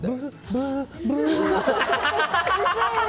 ブー、ブー。